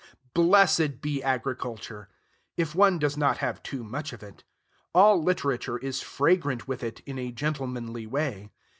Blessed be agriculture! if one does not have too much of it. All literature is fragrant with it, in a gentlemanly way.